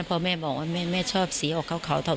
พ่อแม่บอกว่าแม่แม่ชอบสีเอาเขาเขาเทา